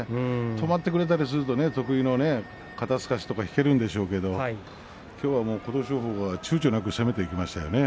止まってくれたりすると得意の肩すかしが引けるんですがきょうは琴勝峰がちゅうちょなく攻めていきましたね。